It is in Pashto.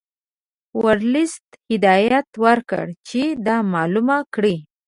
ورلسټ هدایت ورکړ چې دا معلومه کړي.